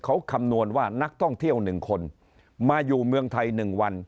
เขาคำนวณว่านักท่องเที่ยว๑คนมาอยู่เมืองไทย๑วัน